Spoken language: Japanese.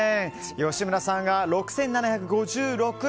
吉村さんが６７５６円。